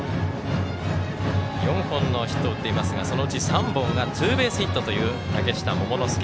４本のヒットを打っていますがそのうち３本がツーベースヒットという嶽下桃之介。